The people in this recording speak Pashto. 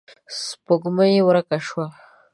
سپوږمۍ ورکه شوه.